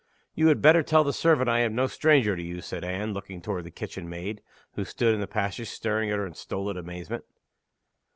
"You had better tell the servant I am no stranger to you," said Anne, looking toward the kitchen maid, who stood in the passage staring at her in stolid amazement.